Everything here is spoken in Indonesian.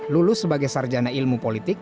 lulus sebagai sarjana ilmu politik